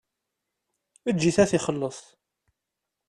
Eǧǧ-it ad t-ixelleṣ.